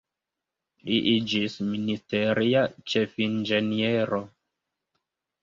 Li iĝis ministeria ĉefinĝeniero.